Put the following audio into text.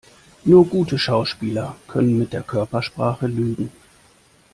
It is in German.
Nur gute Schauspieler können mit der Körpersprache lügen.